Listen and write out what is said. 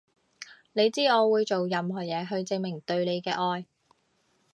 你知我會做任何嘢去證明對你嘅愛